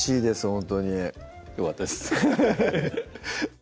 ほんとによかったです